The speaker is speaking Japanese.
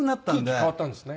空気変わったんですね。